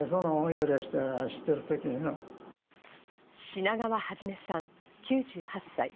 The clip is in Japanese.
品川始さん、９８歳。